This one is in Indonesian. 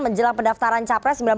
menjelang pendaftaran capres